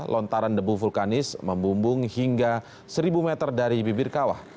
lontaran debu vulkanis membumbung hingga seribu meter dari bibir kawah